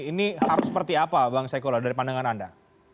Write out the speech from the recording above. ini harus seperti apa bang saikulo dari pandangan anda